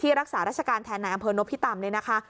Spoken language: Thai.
ที่รักษารัชกาลแทนนายอำเภอโนภิตตำเลยนะคะ